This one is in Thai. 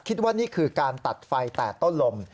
คิดว่านี่คือการตัดไฟแต่ต้นลม